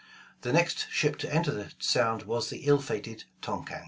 The next ship to enter the Sound was the ill fated Tonquin.